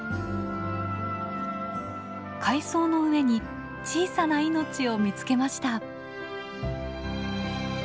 海藻の上に小さな命を見つけました。